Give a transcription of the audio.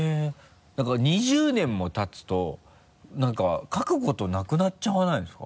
なんか２０年もたつと描くことなくなっちゃわないですか？